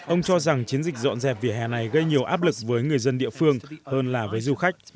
ông cho rằng chiến dịch dọn dẹp vỉa hè này gây nhiều áp lực với người dân địa phương hơn là với du khách